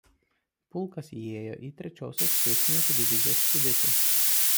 Pulkas įėjo į Trečiosios pėstininkų divizijos sudėtį.